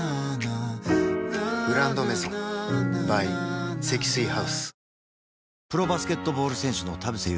「グランドメゾン」ｂｙ 積水ハウス